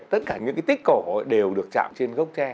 tất cả những cái tích cổ đều được chạm trên gốc tre